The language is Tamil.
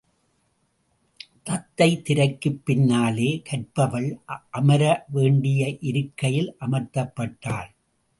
தத்தை, திரைக்குப் பின்னாலே கற்பவள் அமர வேண்டிய இருக்கையில் அமர்த்தப்பட்டாள்.